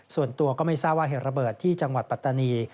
ส่วนตัวก็ไม่ทราบว่าเหตุระเบิดที่จังหวัดปัตตานี